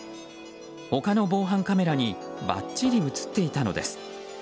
他の防犯カメラにばっちり映っていたのです。